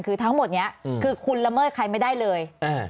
คือทั้งหมดนี้คือคุณละเมิดใครไม่ได้เลย